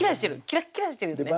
キラッキラしてるよね。